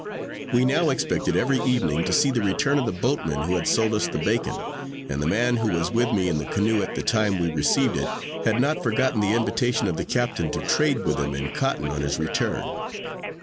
We now expected, every evening, to see the return of the boatman who had sold us the bacon, and the man who was with me in the canoe at the time we received it, had not forgotten the invitation of the captain to trade with him in cotton on his return.